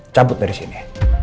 cabut dari sini